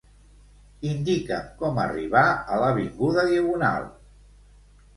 Indica'm com arribar a l'avinguda Diagonal.